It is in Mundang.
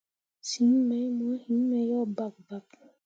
Siŋ mai mo heme yo bakbak.